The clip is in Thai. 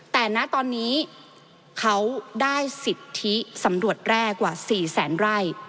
แต่ณตอนนี้เขาได้สิทธิสำรวจแร่กว่า๔แสนไร่